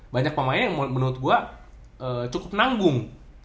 banyak pemain yang menurut gue cukup nanggung